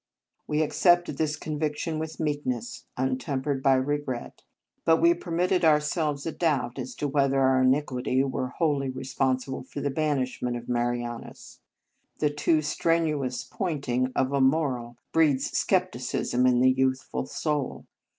We accepted this conviction with meekness, untempered by regret; but 30 Marianus we permitted ourselves a doubt as to whether our iniquity were wholly responsible for the banishment of Marianus. The too strenuous pointing of a moral breeds skepticism in the youthful soul.